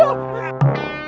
yolah aku yang